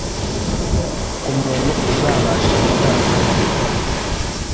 ku muntu uzabasha gutanga amakuru